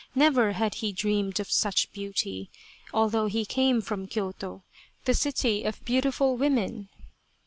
Never had he dreamed of such beauty, although he came from Kyoto, the city of beautiful women.